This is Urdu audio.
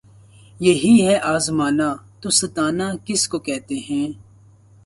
یہی ہے آزمانا‘ تو ستانا کس کو کہتے ہیں!